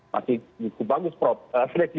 masih cukup bagus